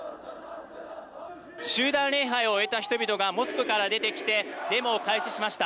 集団礼拝を終えた人々がモスクから出てきてデモを開始しました。